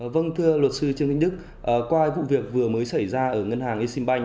vâng thưa luật sư trương thánh đức qua vụ việc vừa mới xảy ra ở ngân hàng eximbank